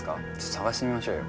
探してみましょうよ。